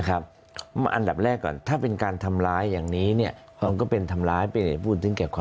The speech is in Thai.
อันดับแรกก่อนถ้าเป็นการทำร้ายอย่างนี้มันก็เป็นผู้